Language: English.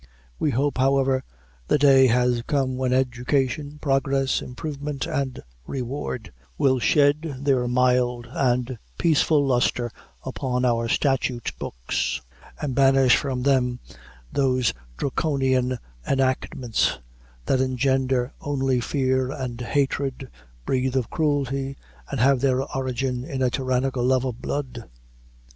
We hope, however, the day has come when education, progress, improvement and reward, will shed their mild and peaceful lustre upon our statute books, and banish from them those Draconian enactments, that engender only fear and hatred, breathe of cruelty, and have their origin in a tyrannical love of blood.